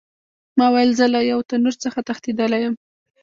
ما ویل زه له یو تنور څخه تښتېدلی یم.